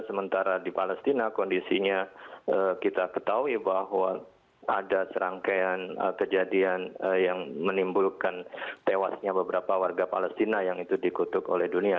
sementara di palestina kondisinya kita ketahui bahwa ada serangkaian kejadian yang menimbulkan tewasnya beberapa warga palestina yang itu dikutuk oleh dunia